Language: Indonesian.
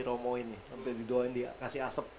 romo ini sampe di doain dikasih asep